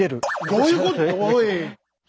どういうこと⁉おい。